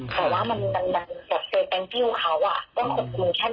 กว่าเมื่อนี้เพื่อมาตัววอฟ